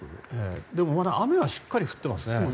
でも、まだ雨はしっかり降っていますね。